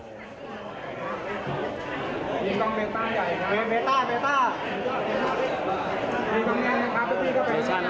เมต่า